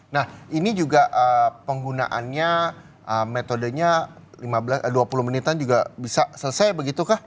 nah ini juga penggunaannya metodenya dua puluh menitan juga bisa selesai begitu kah